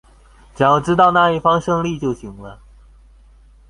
只要知道那一方勝利就行了